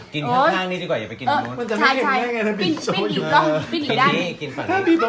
กินข้างนี้ดีกว่าอย่าไปกินทั้งโมก